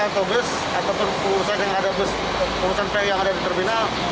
ataupun pengurusan yang ada di terminal